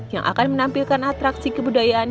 yang akan menampilkan atraksi kebudayaan